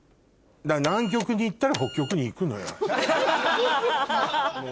南極に行ったら北極に行くのよ。